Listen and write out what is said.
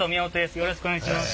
よろしくお願いします。